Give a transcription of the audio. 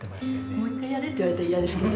もう一回やれって言われたら嫌ですけどね